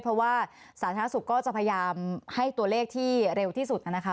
เพราะว่าสาธารณสุขก็จะพยายามให้ตัวเลขที่เร็วที่สุดนะคะ